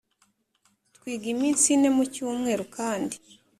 twiga iminsi ine mu cyumweru kandi